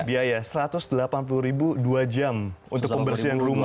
biaya rp satu ratus delapan puluh ribu dua jam untuk pembersihan rumah